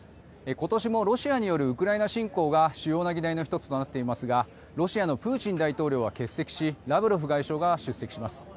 今年もロシアによるウクライナ侵攻が主要な議題の１つとなっていますがロシアのプーチン大統領は欠席しラブロフ外相が出席します。